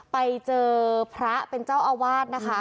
ไปเจอพระเป็นเจ้าอาวาสนะคะ